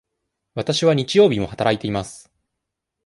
わたしは日曜日も働いています。